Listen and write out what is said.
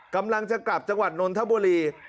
กำลังจะกลับจังหวัดนนทบุรี